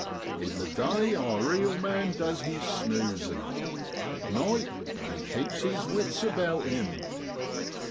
In the day our eel man does his snoozin', at night he keeps his wits about him.